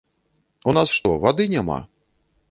У нас што, вады няма?